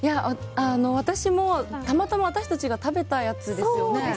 たまたま私たちが食べたやつですよね。